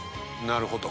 なるほど。